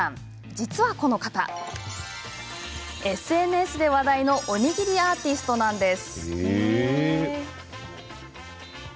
実は、この方ＳＮＳで話題のおにぎりアーティストなんです。